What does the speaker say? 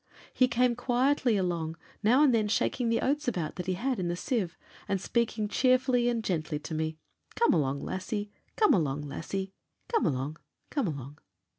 He came quietly along, now and then shaking the oats about that he had in the sieve, and speaking cheerfully and gently to me: 'Come along, lassie, come along, lassie; come along, come along.'